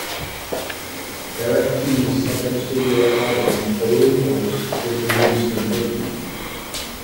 Direc-t's second studio album "Olympos" was released in Turkey.